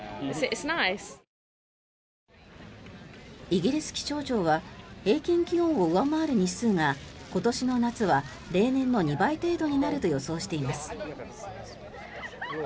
イギリス気象庁は平均気温を上回る日数が今年の夏は例年の２倍程度になると予想しています。